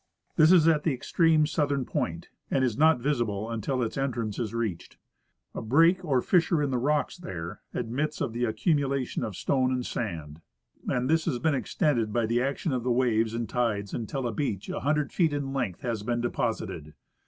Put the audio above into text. This is at the extreme southern j^oint, and is not visible until its entrance is reached. A break or fissure in the rocks there admits of the accumulation of stone and sand, and this Canoeing among Icebergs. 97 has been extended by the action of the waves and tides until a beach a hundred feet in length has been deposited.